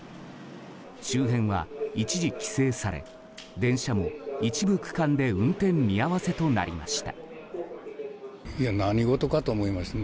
周辺は、一時規制され電車も一部区間で運転見合わせとなりました。